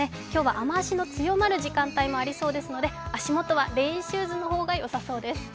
今日は雨足の強まる時間帯もありそうですので足もとはレインシューズの方がよさそうです。